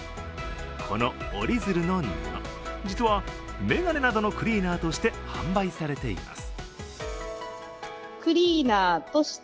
この折り鶴の布、実は眼鏡などのクリーナーとして販売されています。